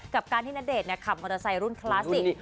กับการที่ณเดชน์ขับมอเตอร์ไซค์รุ่นคลาสสิก